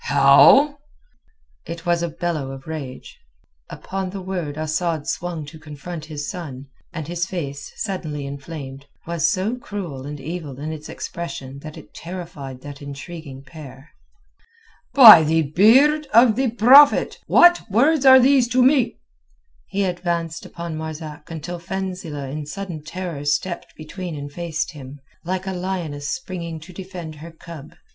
"How?" It was a bellow of rage. Upon the word Asad swung to confront his son, and his face, suddenly inflamed, was so cruel and evil in its expression that it terrified that intriguing pair. "By the beard of the Prophet! what words are these to me?" He advanced upon Marzak until Fenzileh in sudden terror stepped between and faced him, like a lioness springing to defend her cub.